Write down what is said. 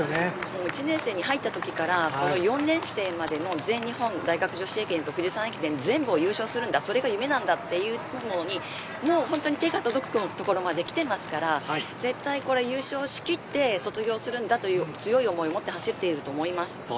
１年生に入ったときから４年生までに全日本大学女子駅伝と富士山駅伝を全部優勝するんだそれが夢だなというふうにそれが手が届くところまできてますから絶対優勝しきって卒業するんだという強い思いを持って走っているんだと思います。